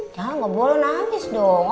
jangan nggak boleh nangis dong